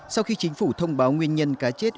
sau khi chính phủ thông báo nguyên nhân cá chết